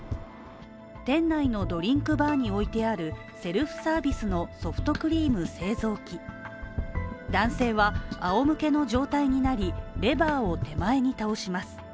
店内のドリンクバーに置いてあるセルフサービスのソフトクリーム製造機男性はあおむけの状態になり、レバーを手前に倒します。